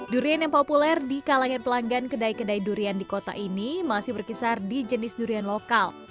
durian yang populer di kalangan pelanggan kedai kedai durian di kota ini masih berkisar di jenis durian lokal